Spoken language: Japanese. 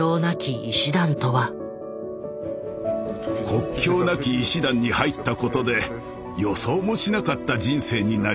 国境なき医師団に入ったことで予想もしなかった人生になりました。